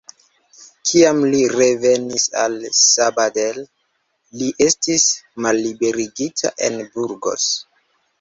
Kiam li revenis al Sabadell, li estis malliberigita en Burgos.